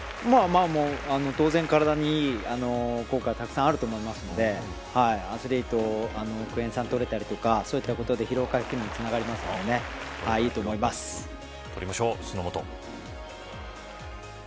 当然、体にいい効果はたくさんあると思うのでアスリートはクエン酸をとれたりとかそういったことで疲労回復にもつながるのでいいと思います。